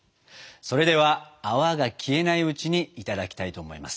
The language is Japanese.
それでは泡が消えないうちにいただきたいと思います。